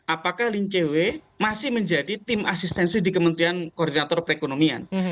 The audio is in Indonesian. apakah lin che wei masih menjadi tim asistensi di kementerian koordinator perekonomian